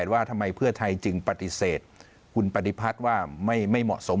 ว่าทำไมเพื่อไทยจึงปฏิเสธคุณปฏิพัฒน์ว่าไม่เหมาะสม